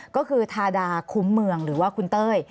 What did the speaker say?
ก็คือทาดาคุ้มเมืองหรือว่าคุณเต้ย